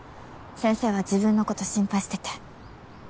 先生は自分のこと心配してて。